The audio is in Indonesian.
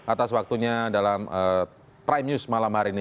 atas waktunya dalam prime news malam hari ini